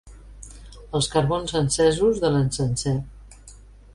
Els carbons encesos de l'encenser.